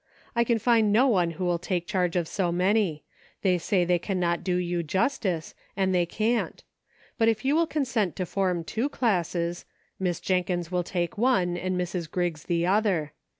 I can find no one who will take charge of so manv. They say they can not do you justice, and they can't ; but if you will consent to form two classes, Miss Jenkins will take one and Mrs Griggs the other.